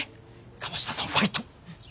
鴨志田さんファイト。